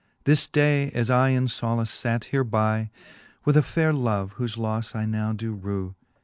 This day as I in folace fate hereby With a fayre love, whofe lofTe I now do rew.